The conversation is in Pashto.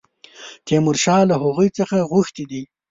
تیمورشاه له هغوی څخه غوښتي دي.